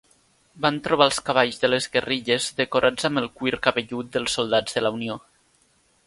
Van trobar els cavalls de les guerrilles decorats amb el cuir cabellut dels soldats de la Unió.